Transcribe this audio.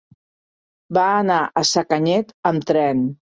Va anar a Sacanyet amb tren.